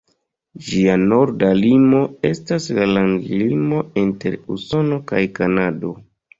Ĝia norda limo estas la landlimo inter Usono kaj Kanado.